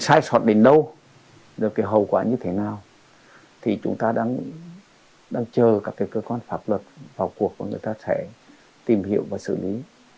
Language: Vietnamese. sai sót đến đâu được cái hậu quả như thế nào thì chúng ta đang chờ các cái cơ quan pháp luật vào cuộc và người ta sẽ tìm hiểu và xử lý